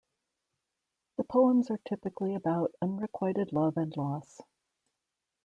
The poems are typically about unrequited love and loss.